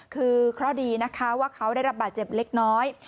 คือเคราะห์ดีนะคะว่าเขาได้รับบาดเจ็บเล็กน้อย